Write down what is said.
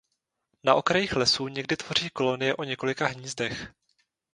Na okrajích lesů někdy tvoří kolonie o několika hnízdech.